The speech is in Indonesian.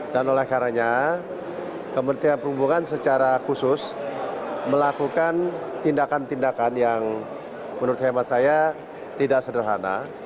dan oleh karanya kementerian perhubungan secara khusus melakukan tindakan tindakan yang menurut hemat saya tidak sederhana